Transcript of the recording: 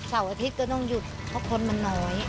อาทิตย์ก็ต้องหยุดเพราะคนมันน้อย